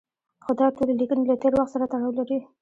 خو دا ټولې لیکنې له تېر وخت سره تړاو لري.